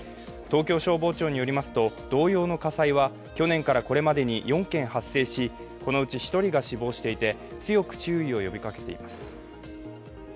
東京消防庁によりますと同様の火災は去年からこれまでに４件発生しこのうち１人が死亡していて強く注意を呼びかけています。